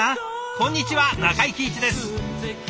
こんにちは中井貴一です。